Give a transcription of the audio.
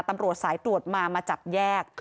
ตำรวจสายตรวจมามาจับแยก